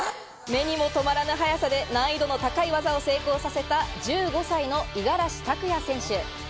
目にもとまらぬ速さで難易度の高い技を成功させた１５歳の五十嵐拓哉選手。